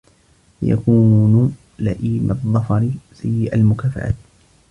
فَيَكُونَ لَئِيمَ الظَّفَرِ سِيءَ الْمُكَافَأَةِ